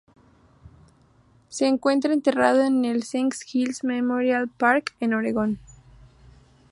Se encuentra enterrado en el Scenic Hills Memorial Park, en Oregón.